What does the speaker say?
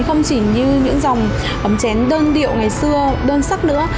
không chỉ như những dòng ấm chén đơn điệu ngày xưa đơn sắc nữa